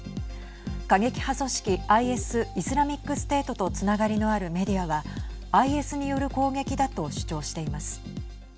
過激派組織ＩＳ＝イスラミックステートとつながりのあるメディアはＩＳによる攻撃だと主張してます。